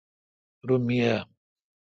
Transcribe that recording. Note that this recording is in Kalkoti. رو می پے۔